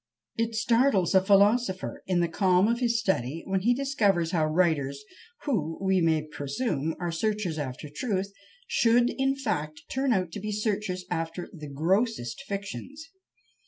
It startles a philosopher, in the calm of his study, when he discovers how writers, who, we may presume, are searchers after truth, should, in fact, turn out to be searchers after the grossest fictions.